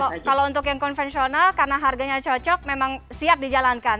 kalau untuk yang konvensional karena harganya cocok memang siap dijalankan